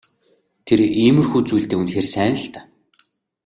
Тэр иймэрхүү зүйлдээ үнэхээр сайн л даа.